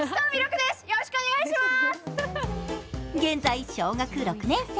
現在、小学６年生。